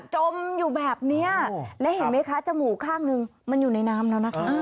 จมอยู่แบบนี้และเห็นไหมคะจมูกข้างหนึ่งมันอยู่ในน้ำแล้วนะคะ